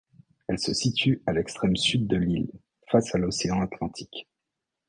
Elle se situe à l'extrême sud de l'île, face à l'océan Atlantique.